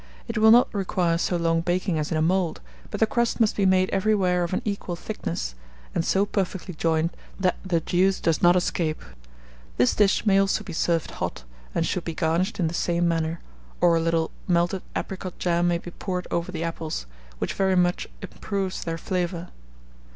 It will not require so long baking as in a mould; but the crust must be made everywhere of an equal thickness, and so perfectly joined, that the juice does not escape. This dish may also be served hot, and should be garnished in the same manner, or a little melted apricot jam may be poured over the apples, which very much improves their flavour.